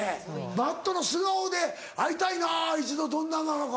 Ｍａｔｔの素顔で会いたいな一度どんななのか。